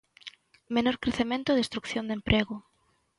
Menor crecemento e destrución de emprego.